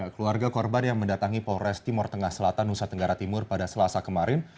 keluarga korban yang mendatangi polres timur tengah selatan nusa tenggara timur pada selasa kemarin